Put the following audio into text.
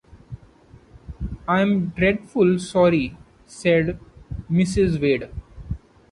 “I’m dreadful sorry,” said Mrs. Wade.